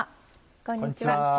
こんにちは。